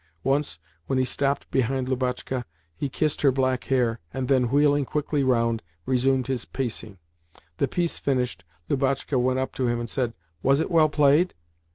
Once, when he stopped behind Lubotshka, he kissed her black hair, and then, wheeling quickly round, resumed his pacing. The piece finished, Lubotshka went up to him and said, "Was it well played?"